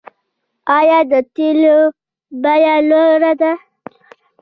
آیا د تیلو بیه لوړه ده؟